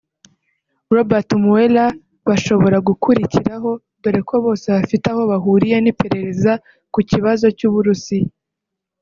Robert Mueller bashobora gukurikiraho dore ko bose bafite aho bahuriye n’iperereza ku kibazo cy’u Burusiya